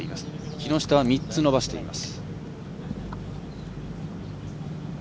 木下は３つ伸ばしています。